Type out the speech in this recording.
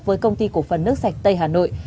với công ty cổ phần nước sạch tây hà nội